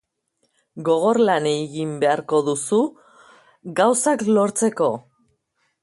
Gogor lan egin beharko duzu gauzak lortzeko.